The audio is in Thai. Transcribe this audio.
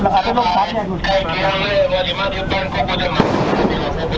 เมื่อเวลาอันดับสุดท้ายมันกลายเป็นภูมิที่สุดท้าย